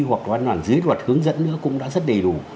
hoặc văn bản dưới luật hướng dẫn nữa cũng đã rất đầy đủ